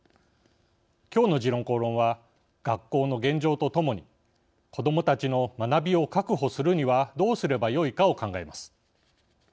きょうの「時論公論」は学校の現状とともに子どもたちの学びを確保するにはどうすればよいかを考えます。